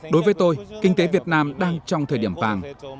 đối với tôi kinh tế việt nam đang trong thời điểm vàng